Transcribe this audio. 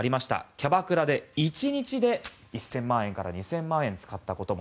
キャバクラで１日で１０００万円から２０００万円使ったことも。